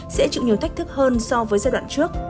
sẽ chịu nhiều thách thức hơn so với giai đoạn trước